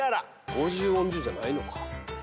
５０音順じゃないのか。